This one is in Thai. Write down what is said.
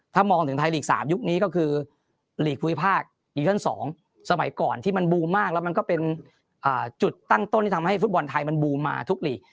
ถ้ามองถึงไทยลีก๓ยุคนี้ก็คือหลีกภูมิภาคดิวิชั่น๒สมัยก่อนที่มันบูมมากแล้วมันก็เป็นจุดตั้งต้นที่ทำให้ฟุตบอลไทยมันบูมมาทุกหลีก